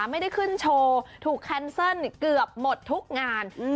ไม่ได้ขึ้นโชว์ถูกแคนเซิลเกือบหมดทุกงาน